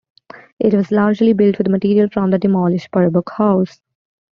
It was largely built with material from the demolished Purbrook house.